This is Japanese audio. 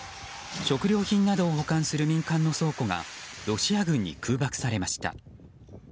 食料品などを保管する民間の倉庫がロシア軍に空爆されました。